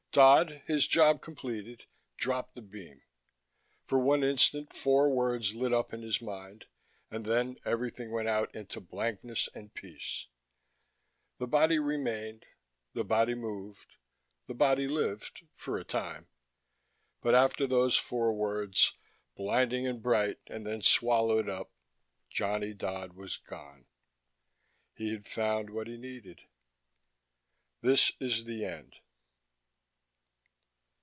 Dodd, his job completed, dropped the beam. For one instant four words lit up in his mind, and then everything went out into blankness and peace. The body remained, the body moved, the body lived, for a time. But after those four words, blinding and bright and then swallowed up, Johnny Dodd was gone. He had found what he needed. _This is the end.